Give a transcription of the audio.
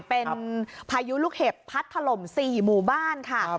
เป็นพายุลูกเห็บพัดถล่ม๔หมู่บ้านค่ะ